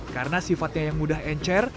karena sifatnya yang mudah encer